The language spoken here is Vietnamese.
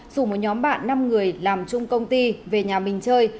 rủ một nhóm bạn năm người làm chung công ty về nhà mình chơi